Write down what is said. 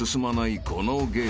このゲーム］